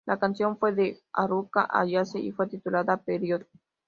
La canción fue de Haruka Ayase y fue titulada ""Period"".